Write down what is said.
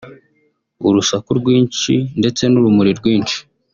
urusaku rwinshi ndetse n’urumuri rwinshi